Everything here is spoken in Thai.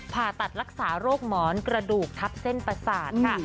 ผ่าตัดรักษาโรคหมอนกระดูกทับเส้นประสาทค่ะ